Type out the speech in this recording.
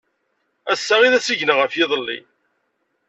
Assa i d asigna ɣef yiḍelli.